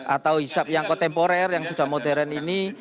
atau hisap yang kontemporer yang sudah modern ini